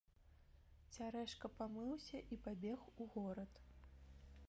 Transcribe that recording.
Цярэшка памыўся і пабег у горад.